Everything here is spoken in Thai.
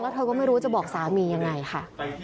แล้วเธอก็ไม่รู้จะบอกสามีอย่างไรค่ะ